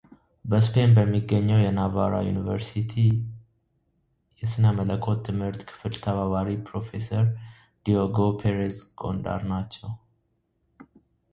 በስፔን በሚገኘው የናቫራ ዩኒቨርስቲ የሥነ መለኮት ትምህርት ክፍል ተባባሪ ፕሮፌሰር ዲዬጎ ፔሬዝ ጎንዳር ናቸው።